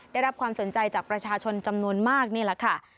ได้รับความสนใจจากประชาชนจำนวนมากนี่แหละค่ะ